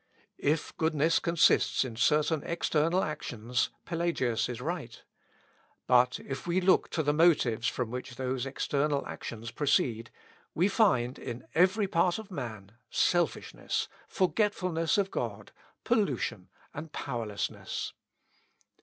If goodness consists in certain external actions, Pelagius is right. But if we look to the motives from which those external actions proceed, we find in every part of man selfishness, forgetfulness of God, pollution, and powerlessness.